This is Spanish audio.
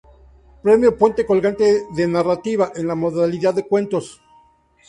Premio Puente Colgante de Narrativa, en la modalidad de Cuentos.